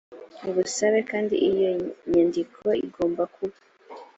ubusabe kandi iyo nyandiko igomba kuba